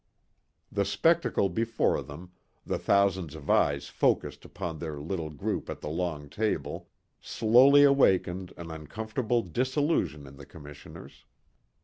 The spectacle before them, the thousands of eyes focussed upon their little group at the long table, slowly awakened an uncomfortable disillusion in the commissioners.